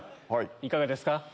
いかがですか？